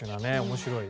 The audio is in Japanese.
面白い。